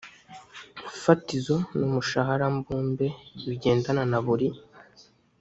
fatizo n umushahara mbumbe bigendana na buri